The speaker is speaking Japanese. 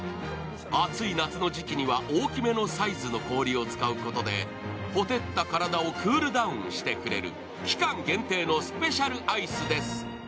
暑い夏の時期には大きめのサイズの氷を使うことでほてった体をクールダウンしてくれる期間限定のスペシャルアイスです。